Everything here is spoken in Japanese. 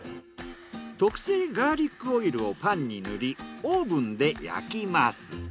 特製ガーリックオイルをパンに塗りオーブンで焼きます。